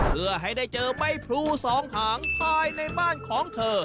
เพื่อให้ได้เจอใบพลูสองหางภายในบ้านของเธอ